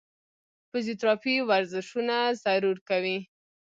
فزيوتراپي ورزشونه ضرور کوي -